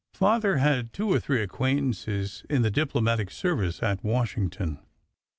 Father had two or three acquaintances in the diplo matic service at Washington.